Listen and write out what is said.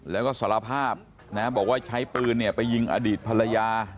แล้วก็สารภาพนะบอกว่าใช้ปืนไปยิงอดีตภรรยา